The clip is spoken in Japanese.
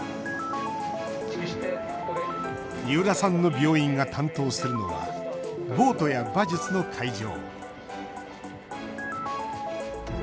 三浦さんの病院が担当するのはボートや馬術の会場。